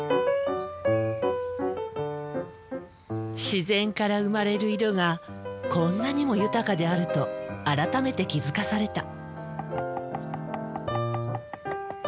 自然から生まれる色がこんなにも豊かであると改めて気付かされた。